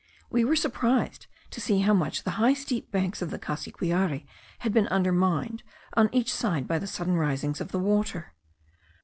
We were surprised to see how much the high steep banks of the Cassiquiare had been undermined on each side by the sudden risings of the water.